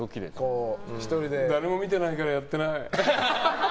誰も見てないからやってない。